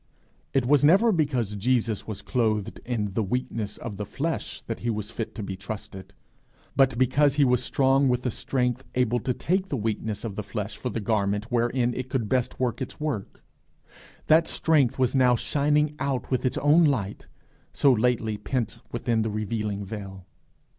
It was never because Jesus was clothed in the weakness of the flesh that he was fit to be trusted, but because he was strong with a strength able to take the weakness of the flesh for the garment wherein it could best work its work: that strength was now shining out with its own light, so lately pent within the revealing veil.